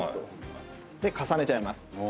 重ねちゃいます。